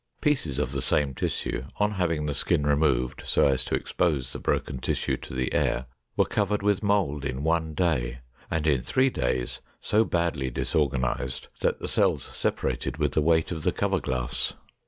Pieces of the same tissue, on having the skin removed so as to expose the broken tissue to the air, were covered with mold in one day and in three days so badly disorganized that the cells separated with the weight of the cover glass.